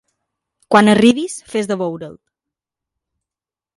Quan arribis, fes de veure'l.